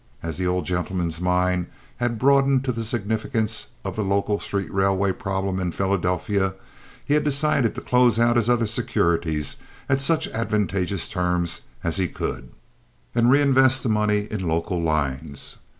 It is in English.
As the old gentleman's mind had broadened to the significance of the local street railway problem in Philadelphia, he had decided to close out his other securities at such advantageous terms as he could, and reinvest the money in local lines.